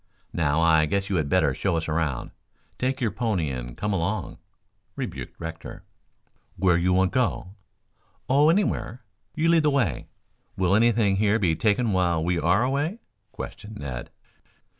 Now, I guess you had better show us around. Take your pony and come along," rebuked Rector. "Where you want go?" "Oh, anywhere. You lead the way. Will anything here be taken while we are away?" questioned Ned.